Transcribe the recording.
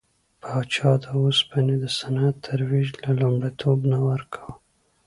پاچا د اوسپنې د صنعت ترویج ته لومړیتوب نه ورکاوه.